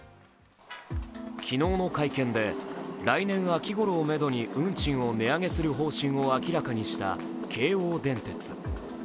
昨日の会見で来年秋ごろをめどに運賃を値上げする方針を明らかにした京王電鉄。